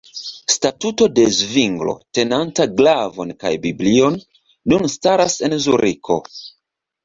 Statuo de Zvinglo tenanta glavon kaj Biblion nun staras en Zuriko.